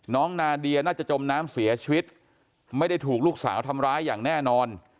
นาเดียน่าจะจมน้ำเสียชีวิตไม่ได้ถูกลูกสาวทำร้ายอย่างแน่นอน